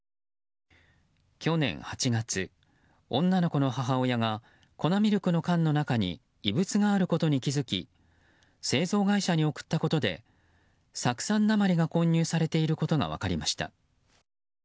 去年８月、女の子の母親が粉ミルクの缶の中に異物があることに気づき製造会社に送ったことで酢酸鉛が混入されていることが分かりました。